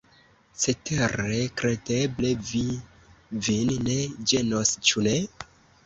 Cetere, kredeble, vi vin ne ĝenos, ĉu ne?